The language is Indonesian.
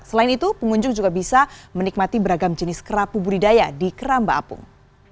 selain itu pengunjung juga bisa menikmati beragam jenis kerapu budidaya di keramba apung